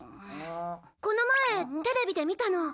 この前テレビで見たの。